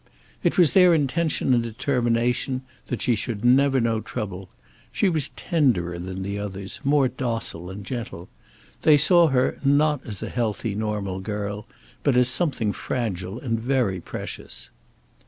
It was their intention and determination that she should never know trouble. She was tenderer than the others, more docile and gentle. They saw her, not as a healthy, normal girl, but as something fragile and very precious.